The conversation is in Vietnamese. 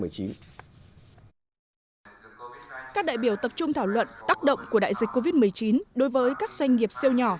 các đại biểu tập trung thảo luận tác động của đại dịch covid một mươi chín đối với các doanh nghiệp siêu nhỏ